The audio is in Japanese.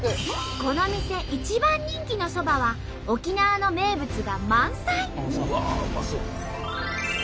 この店一番人気のそばは沖縄の名物が満載！